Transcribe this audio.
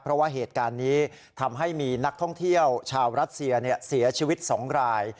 เพราะว่าเหตุการณ์นี้ทำให้มีนักท่องเที่ยวชาวรัสเซียเสียชีวิต๒ราย